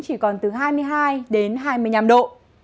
chỉ còn từ hai mươi hai đến hai mươi năm độ